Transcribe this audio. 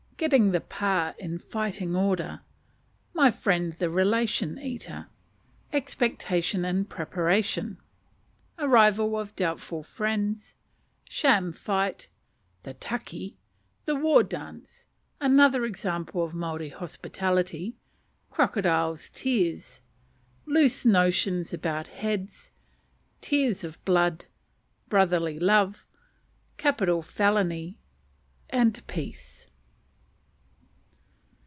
Getting the Pa in Fighting Order. My Friend the "Relation Eater." Expectation and Preparation. Arrival of doubtful Friends. Sham Fight. The "Taki." The War Dance. Another Example of Maori Hospitality. Crocodile's Tears. Loose Notions about Heads. Tears of Blood. Brotherly Love. Capital Felony. Peace.